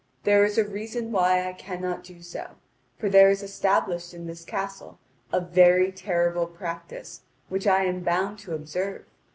There is a reason why I cannot do so, for there is established in this castle a very terrible practice which I am bound to observe.